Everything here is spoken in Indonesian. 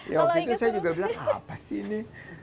ya waktu itu saya juga bilang apa sih ini